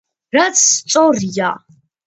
რაც სწორია.